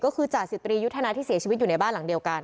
ก็คือจ่าสิบตรียุทธนาที่เสียชีวิตอยู่ในบ้านหลังเดียวกัน